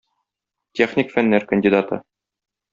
Техник фәннәр кандидаты.